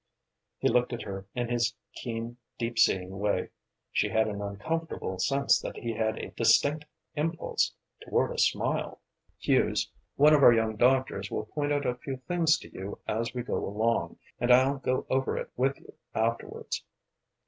He looked at her in his keen, deep seeing way. She had an uncomfortable sense that he had a distinct impulse toward a smile. "Hughes, one of our young doctors, will point out a few things to you as we go along, and I'll go over it with you afterwards."